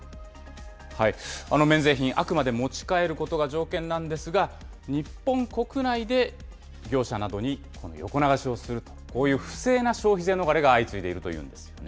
免税品、あくまで持ち帰ることが条件なんですが、日本国内で業者などに横流しをすると、こういう不正な消費税逃れが相次いでいるというんですよね。